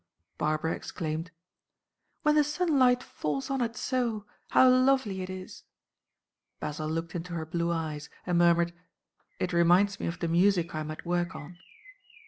Barbara exclaimed, "When the sunlight falls on it so, how lovely it is!" Basil looked into her blue eyes, and murmured, "It reminds me of the music I am at work on."